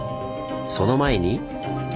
その前に！